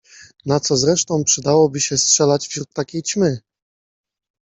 Na co zresztą przydałoby się strzelać wśród takiej ćmy?